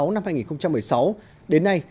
năm hai nghìn một mươi sáu đến nay